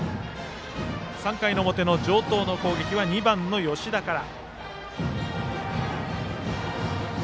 ３回表の城東の攻撃は２番の吉田から。